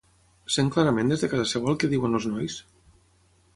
Sent clarament des de casa seva el que diuen els nois?